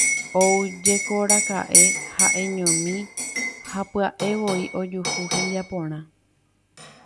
Oújekoraka'e ha'eñomi ha pya'evoi ojuhu hembiaporã.